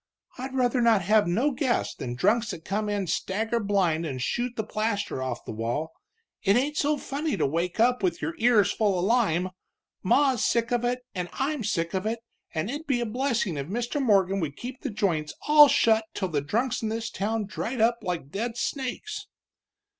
"I'd rather not have no guests than drunks that come in stagger blind and shoot the plaster off of the wall. It ain't so funny to wake up with your ears full of lime! Ma's sick of it, and I'm sick of it, and it'd be a blessin' if Mr. Morgan would keep the joints all shut till the drunks in this town dried up like dead snakes!"